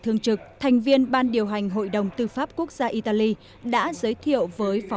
thương trực thành viên ban điều hành hội đồng tư pháp quốc gia italy đã giới thiệu với phó